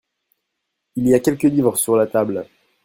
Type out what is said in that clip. Il y a quelques livres sur la table.